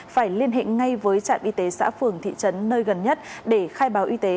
phải liên hệ ngay với trạm y tế xã phường thị trấn nơi gần nhất để khai báo y tế